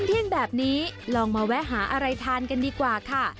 เที่ยงแบบนี้ลองมาแวะหาอะไรทานกันดีกว่าค่ะ